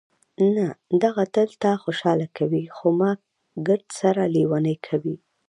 نه، دغه تل تا خوشحاله کوي، خو ما ګردسره لېونۍ کوي.